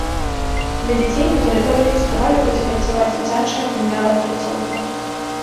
Для дзяцей на тэрыторыі фестывалю будзе працаваць дзіцячая гульнявая пляцоўка.